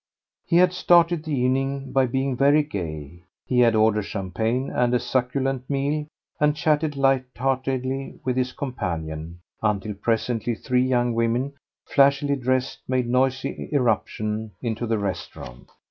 He had started the evening by being very gay; he had ordered champagne and a succulent meal, and chatted light heartedly with his companion, until presently three young women, flashily dressed, made noisy irruption into the restaurant.